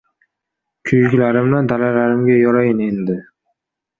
Kuyuklarimni dalalarimga yorayin, endi.